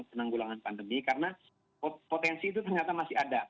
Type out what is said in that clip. penanggulangan pandemi karena potensi itu ternyata masih ada